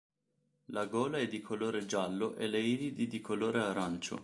La gola è di colore giallo e le iridi di colore arancio.